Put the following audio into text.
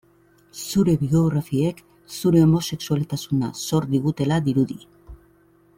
Zure biografiek zure homosexualtasuna zor digutela dirudi.